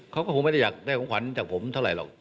เขาก็คงไม่ได้อยากได้ของขวัญจากผมเท่าไหร่หรอก